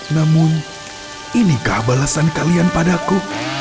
namun inikah balasan kalian padaku